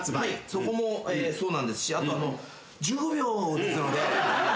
そこもそうなんですしあと１５秒ですので。